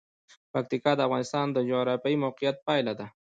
پکتیکا د افغانستان د جغرافیایي موقیعت پایله ده.